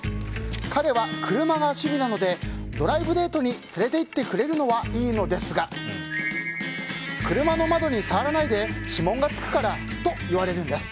彼は車が趣味なのでドライブデートに連れて行ってくれるのはいいのですが車の窓に触らないで指紋が付くからと言われるんです。